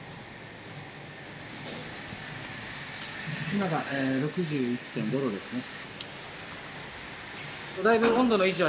今が６１．５℃ですね。